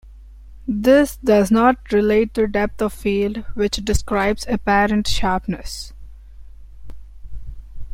This does not relate to depth of field which describes apparent sharpness.